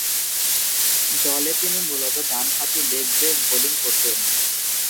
দলে তিনি মূলতঃ ডানহাতি লেগ ব্রেক বোলিং করতেন।